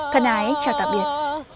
thân ái chào tạm biệt